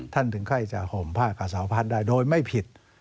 ท่านถึงค่อยจะห่มผ้ากระสาวพรรดิได้โดยไม่ผิด